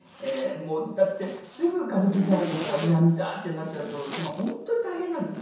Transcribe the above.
もうだってすぐ歌舞伎座とか南座ってなっちゃうと本当に大変なんですね。